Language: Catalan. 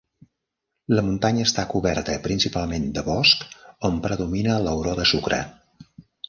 La muntanya està coberta principalment de bosc on predomina l'auró de sucre.